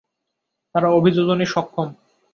তারা অভিযোজনে সক্ষম।